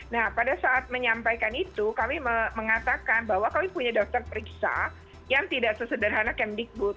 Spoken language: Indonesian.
nah pada saat menyampaikan itu kami mengatakan bahwa kami punya daftar periksa yang tidak sesederhana kemdikbud